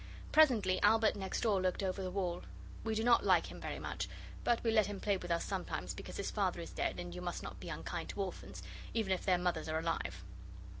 Presently Albert next door looked over the wall. We do not like him very much, but we let him play with us sometimes, because his father is dead, and you must not be unkind to orphans, even if their mothers are alive.